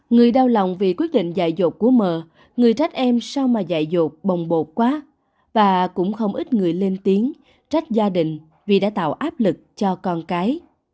người đau lòng vì quyết định dạy dột của mờ người trách em sau mà dạy dột bồng bột quá và cũng không ít người lên tiếng trách gia đình vì đã tạo áp lực cho con cái